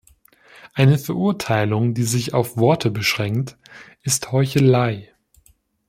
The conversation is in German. Eine Verurteilung, die sich auf Worte beschränkt, ist Heuchelei.